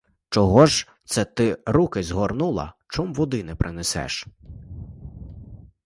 Чого ж це ти руки згорнула, чом води не принесеш?